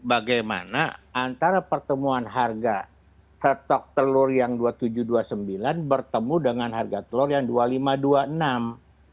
bagaimana antara pertemuan harga stok telur yang dua puluh tujuh dua puluh sembilan bertemu dengan harga telur yang rp dua puluh lima dua puluh enam